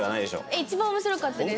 一番面白かったです。